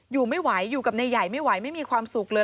อยู่ไม่ไหวอยู่กับนายใหญ่ไม่ไหวไม่มีความสุขเลย